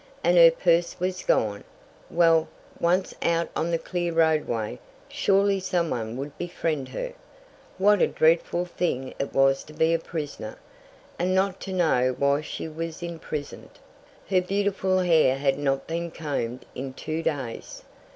And her purse was gone! Well, once out on the clear roadway, surely some one would befriend her. What a dreadful thing it was to be a prisoner! And not to know why she was imprisoned! Her beautiful hair had not been combed in two days.